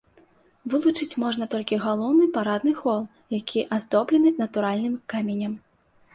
Вылучыць можна толькі галоўны парадны хол, які аздоблены натуральным каменем.